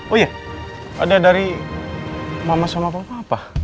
oh iya ada dari mama sama papa